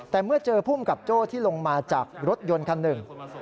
แต่เมื่อเจอภูมิกับโจ้ที่ลงมาจากรถยนต์คันหนึ่ง